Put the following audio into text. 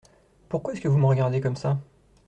Pourquoi est-ce que vous me regardez comme ça ?